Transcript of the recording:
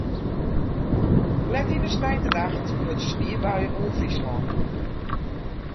Let yn de sneintenacht lutsen sniebuien oer Fryslân.